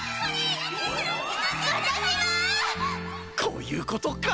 こういうことか。